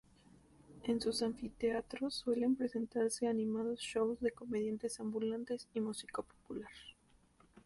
En sus anfiteatros suelen presentarse animados shows de comediantes ambulantes y música popular.